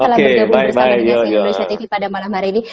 telah bergabung bersama dengan si indonesia tv pada malam hari ini